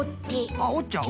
あっおっちゃう？